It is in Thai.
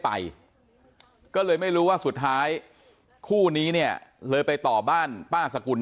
ไปก็เลยไม่รู้ว่าสุดท้ายคู่นี้เนี่ยเลยไปต่อบ้านป้าสกุล